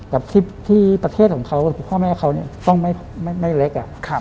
กับคลิปที่ประเทศของเขาคือพ่อแม่เขาต้องไม่เล็ก